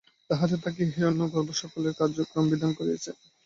তাঁহাতে থাকিয়াই হিরণ্যগর্ভ সকলের কর্মফল বিধান করিতেছেন।